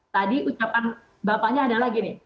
tadi ucapan bapaknya adalah gini